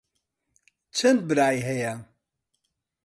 چەند برای هەیە؟